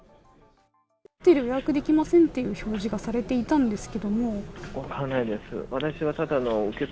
ホテル予約できませんっていう表示がされていたんですけれど分からないです。